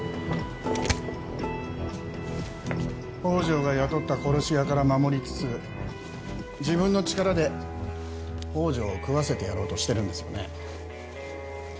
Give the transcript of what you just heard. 宝条が雇った殺し屋から守りつつ自分の力で宝条を喰わせてやろうとしてるんですよね